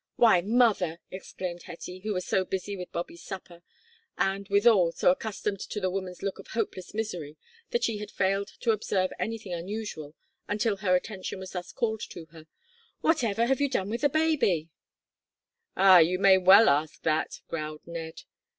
"Why, mother," exclaimed Hetty, who was so busy with Bobby's supper, and, withal, so accustomed to the woman's looks of hopeless misery that she had failed to observe anything unusual until her attention was thus called to her, "what ever have you done with the baby?" "Ah you may well ask that," growled Ned.